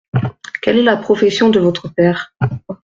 Quelle est la profession de votre père ?